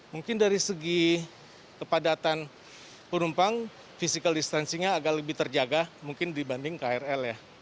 mungkin dari segi kepadatan penumpang physical distancingnya agak lebih terjaga mungkin dibanding krl ya